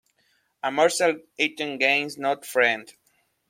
A morsel eaten gains no friend.